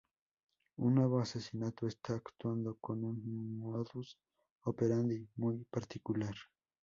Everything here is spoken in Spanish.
Un nuevo asesino está actuando con un modus operandi muy particular.